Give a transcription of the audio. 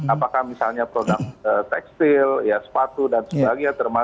apakah misalnya produk tekstil sepatu dan sebagainya